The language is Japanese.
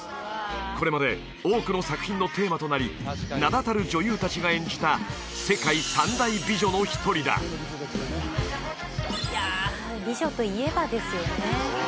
これまで多くの作品のテーマとなり名だたる女優達が演じた世界三大美女の一人だいや美女といえばですよね